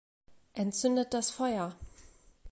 Entzündet das Feuer!